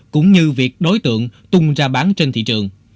cũng như việc đối tượng tung ra bán trên thị trường